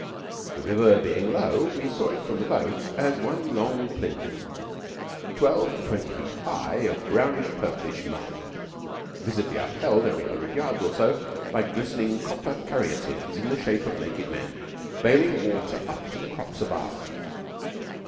The river being low, we saw it from the boat as one long plinth, twelve to twenty feet high of brownish, purplish mud, visibly upheld every hundred yards or so by glistening copper caryatides in the shape of naked men baling water up to the crops above.